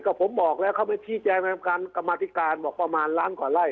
ก็ผมบอกแล้วเขาไปที่แจงวันการกรรมณ์ที่การบอกประมาณล้านกว่าไล่